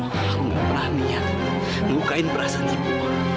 aku tidak pernah niat mengukai perasaan ibu